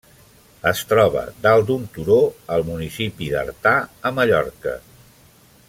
Es troba dalt d'un turó al municipi d'Artà, a Mallorca.